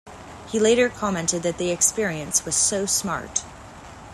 He later commented that the experience, was so smart.